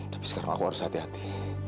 tapi sekarang aku harus hati hati